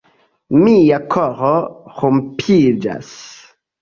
Mia koro rompiĝas.